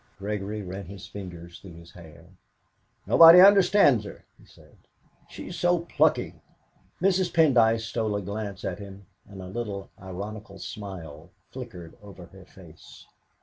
Gregory ran his fingers through his hair. "Nobody understands her," he said; "she's so plucky!" Mrs. Pendyce stole a glance at him, and a little ironical smile flickered over her face.